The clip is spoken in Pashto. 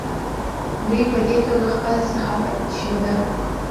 دوی په دې توګه خپل سخاوت ښوده.